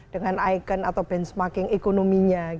dengan ikon atau benchmarking ekonominya